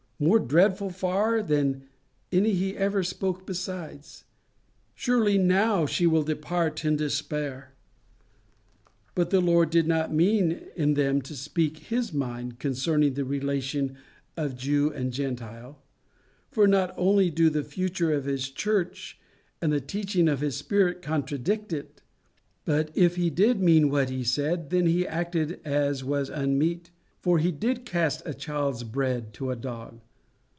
more dreadful far than any he ever spoke besides! Surely now she will depart in despair! But the Lord did not mean in them to speak his mind concerning the relation of Jew and Gentile; for not only do the future of his church and the teaching of his Spirit contradict it: but if he did mean what he said, then he acted as was unmeet, for he did cast a child's bread to a dog.